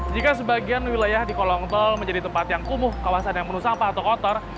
jika sebagian wilayah di kolong tol menjadi tempat yang kumuh kawasan yang penuh sampah atau kotor